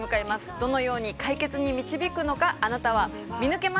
どのように解決に導くのかあなたは見抜けますか？